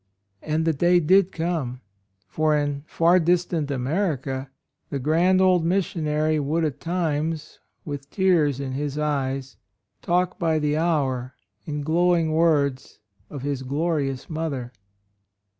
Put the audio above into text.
And the day did come; for in far distant America the grand old missionary would at times, with tears in his eyes, talk by the hour in glowing words of his "glorious mother."